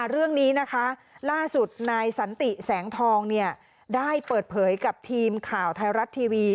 เรื่องนี้นะคะล่าสุดนายสันติแสงทองได้เปิดเผยกับทีมข่าวไทยรัฐทีวี